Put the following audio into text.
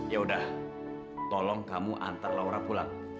yaudah tolong kamu antar laura pulang ya